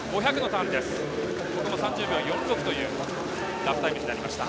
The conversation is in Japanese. ここも３０秒４６というラップタイムになりました。